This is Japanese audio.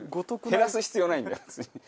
減らす必要ないんだよ。